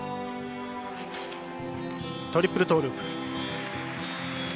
トリプルトーループ。